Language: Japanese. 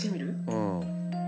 うん。